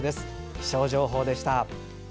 気象情報でした。